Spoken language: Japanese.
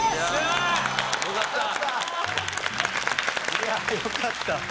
いやよかった。